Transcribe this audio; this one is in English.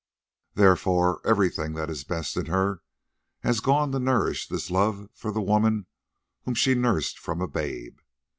Therefore, everything that is best in her has gone to nourish this love for the woman whom she nursed from a babe.